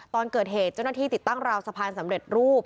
ตอนเกิดเหตุเจ้าหน้าที่ติดตั้งราวสะพานสำเร็จรูป